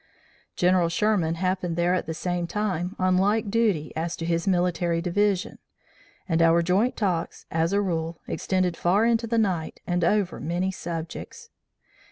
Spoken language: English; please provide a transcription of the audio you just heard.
General Sherman happened there at the same time, on like duty as to his Military Division, and our joint talks, as a rule, extended far into the night and over many subjects.